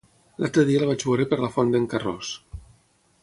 L'altre dia el vaig veure per la Font d'en Carròs.